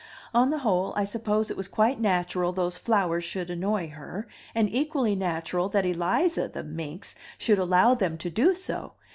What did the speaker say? On the whole, I suppose it was quite natural those flowers should annoy her, and equally natural that Eliza, the minx, should allow them to do so!